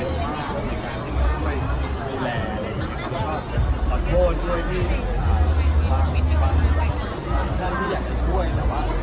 เรามันผู้ชายที่แบบขึ้นใครที่แบบใครที่ไม่เนียนด้วยนะครับ